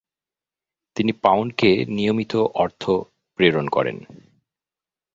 তিনি পাউন্ডকে নিয়মিত অর্থ প্রেরণ করেন।